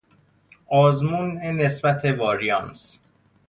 آزمون نسبت واریانس